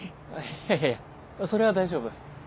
いやいやそれは大丈夫。